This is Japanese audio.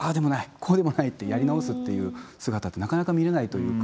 こうでもないってやり直すっていう姿ってなかなか見れないというか。